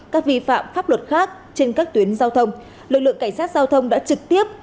các vi phạm pháp luật khác trên các tuyến giao thông lực lượng cảnh sát giao thông đã trực tiếp